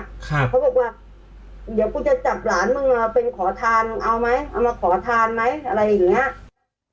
เขาบอกว่าเดี๋ยวกูจะจับหลานมึงมาเป็นขอทานเอาไหมเอามาขอทานไหมอะไรอย่างเงี้ย